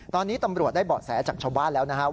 ตอนนี้ตำรวจได้เบาะแสจากชาวบ้านแล้วนะครับ